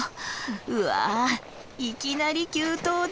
うわいきなり急登だ。